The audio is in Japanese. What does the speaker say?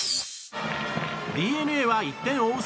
ＤｅＮＡは１点を追う